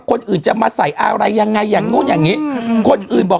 คนอื่นจะมาใส่อะไรยังไงอย่างนู้นอย่างนี้คนอื่นบอก